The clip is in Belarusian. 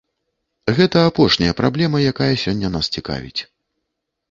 Гэта апошняя праблема, якая сёння нас цікавіць.